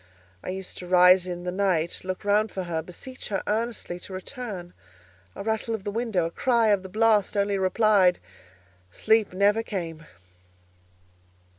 I used to rise in the night, look round for her, beseech her earnestly to return. A rattle of the window, a cry of the blast only replied—Sleep never came!